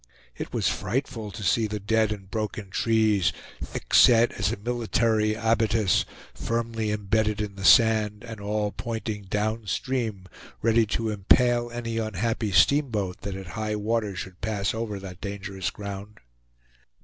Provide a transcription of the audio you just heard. It was frightful to see the dead and broken trees, thick set as a military abatis, firmly imbedded in the sand, and all pointing down stream, ready to impale any unhappy steamboat that at high water should pass over that dangerous ground.